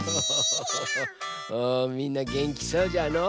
みんなげんきそうじゃの。